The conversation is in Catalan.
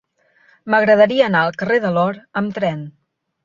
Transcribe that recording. M'agradaria anar al carrer de l'Or amb tren.